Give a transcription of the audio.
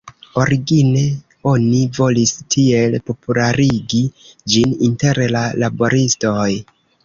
Origine oni volis tiel popularigi ĝin inter la laboristoj.